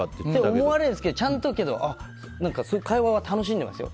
そう思われるんですけどちゃんと会話は楽しんでますよ。